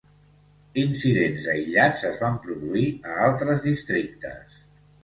Incidents aïllats es van produir a altres districtes.